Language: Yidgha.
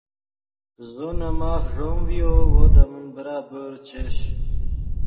زو نے ماف ݱوم ڤیو وو دے من برابر چش